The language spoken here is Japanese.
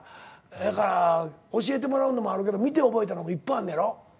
だから教えてもらうのもあるけど見て覚えたのもいっぱいあんのやろ？